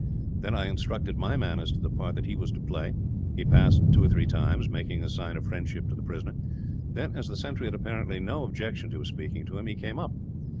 "Then I instructed my man as to the part that he was to play. He passed two or three times, making a sign of friendship to the prisoner. Then, as the sentry had apparently no objection to his speaking to him, he came up.